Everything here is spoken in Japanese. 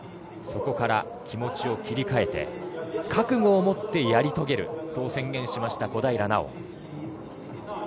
そこから気持ちを切り替えて覚悟を持ってやり遂げるそう宣言しました、小平奈緒。